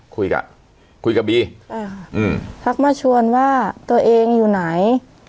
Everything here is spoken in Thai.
คุยกับคุยกับบีอ่าค่ะอืมทักมาชวนว่าตัวเองอยู่ไหน